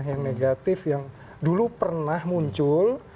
yang negatif yang dulu pernah muncul